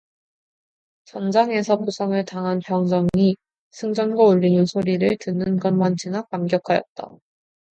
전장에서 부상을 당한 병정이 승전고 울리는소리를 듣는 것만치나 감격하였다.